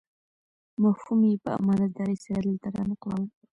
مفهوم یې په امانتدارۍ سره دلته رانقلوم.